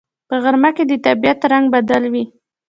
په غرمه کې د طبیعت رنگ بدل وي